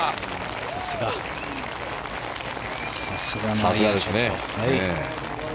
さすがですね。